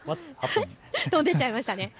飛んでっちゃいましたね。